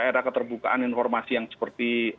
era keterbukaan informasi yang seperti